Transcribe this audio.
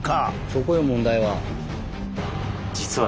そこよ問題は。